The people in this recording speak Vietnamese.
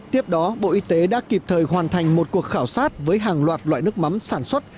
tiếp đó bộ y tế đã kịp thời hoàn thành một cuộc khảo sát với hàng loạt loại nước mắm sản xuất